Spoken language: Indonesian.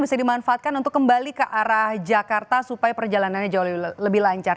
bisa dimanfaatkan untuk kembali ke arah jakarta supaya perjalanannya jauh lebih lancar